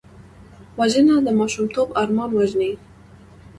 وژنه د ماشومتوب ارمان وژني